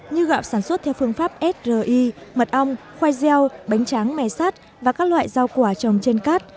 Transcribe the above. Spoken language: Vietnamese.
như gạo sản xuất theo phương pháp sri mật ong khoai gieo bánh tráng mè sát và các loại rau quả trồng trên cát